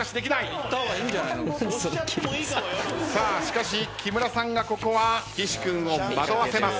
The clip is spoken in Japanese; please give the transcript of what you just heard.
しかし木村さんがここは岸君を惑わせます。